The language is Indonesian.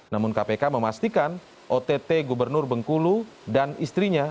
namun kpk memastikan ott gubernur bengkulu dan istrinya